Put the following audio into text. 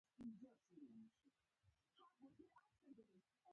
دوستان یې کم او لستوڼي ماران ګوري.